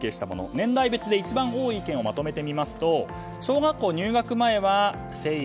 年代別で一番多い意見をまとめてみますと小学校入学前は１０００円。